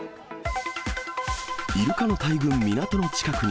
イルカの大群、港の近くに。